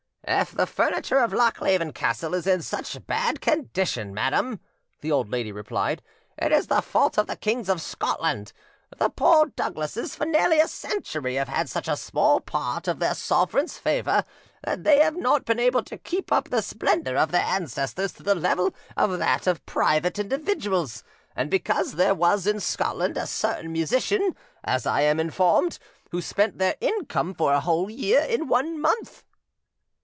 "If the furniture of Lochleven Castle is in such bad condition, madam," the old lady replied, "it is the fault of the kings of Scotland: the poor Douglases for nearly a century have had such a small part of their sovereigns' favour, that they have not been able to keep up the splendour of their ancestors to the level of that of private individuals, and because there was in Scotland a certain musician, as I am informed, who spent their income for a whole year in one month."